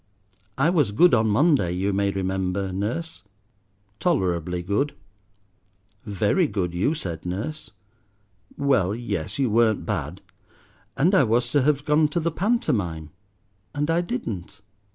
"I was good on Monday, you may remember, nurse." "Tolerably good." "Very good, you said, nurse." "Well, yes, you weren't bad." "And I was to have gone to the pantomime, and I didn't."